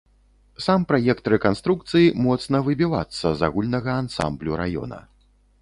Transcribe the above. Сам праект рэканструкцыі моцна выбівацца з агульнага ансамблю раёна.